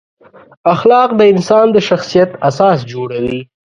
اخلاق د انسان د شخصیت اساس جوړوي.